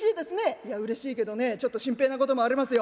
「いやうれしいけどねちょっと心配なこともありますよ。